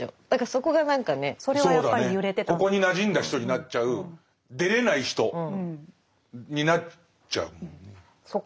ここになじんだ人になっちゃう出れない人になっちゃうもんね。